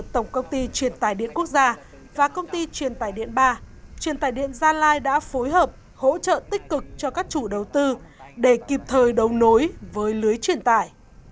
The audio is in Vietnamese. trong các công ty truyền tải điện ba truyền tải điện gia lai đã phối hợp hỗ trợ tích cực cho các chủ đầu tư để kịp thời đấu nối với lưới truyền tải